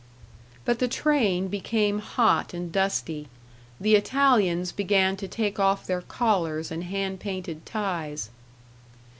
But the train became hot and dusty; the Italians began to take off their collars and hand painted ties.